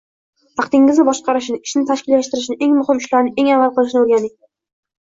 Vaqtingizni boshqarishni, ishni tashkillashtirishni, eng muhim ishlarni eng avval qilishni oʻrganing.